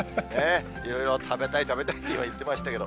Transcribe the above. いろいろ食べたい、食べたいと言ってましたけど。